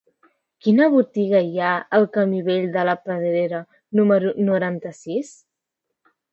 Quina botiga hi ha al camí Vell de la Pedrera número noranta-sis?